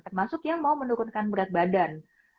termasuk yang mau menurunkan berat badan